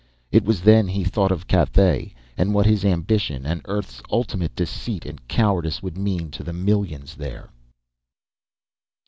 It was then he thought of Cathay, and what his ambition and Earth's ultimate deceit and cowardice would mean to the millions there.